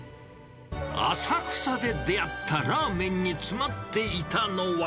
浅草で出会ったラーメンに詰まっていたのは。